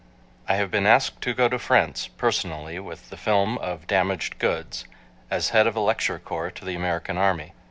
I have been asked to go to France personally, with the film of "Damaged Goods," as head of a lecture corps to the American army.